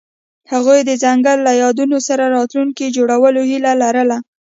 هغوی د ځنګل له یادونو سره راتلونکی جوړولو هیله لرله.